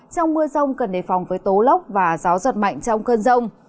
trong mưa rông cần đề phòng với tố lốc và gió giật mạnh trong cơn rông